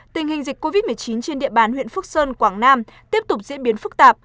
tình hình dịch covid một mươi chín trên địa bàn huyện phước sơn quảng nam tiếp tục diễn biến phức tạp